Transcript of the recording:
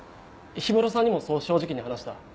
氷室さんにもそう正直に話した。